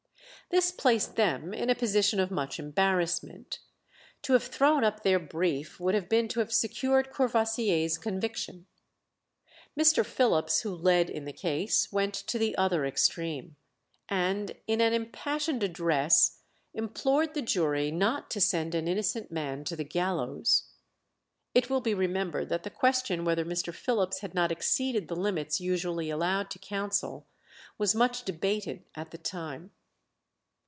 This placed them in a position of much embarrassment. To have thrown up their brief would have been to have secured Courvoisier's conviction. Mr. Phillips, who led in the case, went to the other extreme, and in an impassioned address implored the jury not to send an innocent man to the gallows. It will be remembered that the question whether Mr. Phillips had not exceeded the limits usually allowed to counsel was much debated at the time.